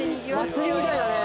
祭りみたいだね。